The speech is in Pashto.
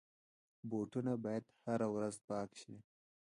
بوټونه باید هره ورځ پاک شي.